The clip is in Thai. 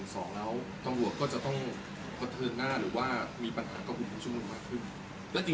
ต่อระหว่างก็จะต้องกฎเทินหน้าหรือว่ามีปัญหาของผู้ชมงุนมากขึ้น